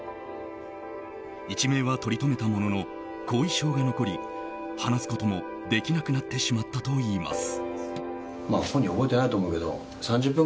一命はとりとめたものの後遺症が残り話すこともできなくなってしまったといいます。